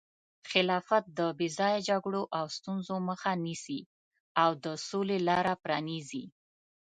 خلافت د بې ځایه جګړو او ستونزو مخه نیسي او د سولې لاره پرانیزي.